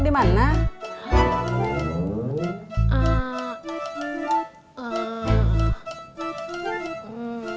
belajar kelompok di mana